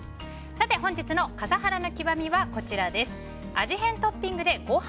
本日の笠原の極みはこちらです。